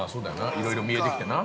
いろいろ見えてきてな。